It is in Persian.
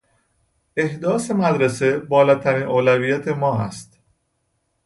احداث مدرسه بالاترین اولویت ما است.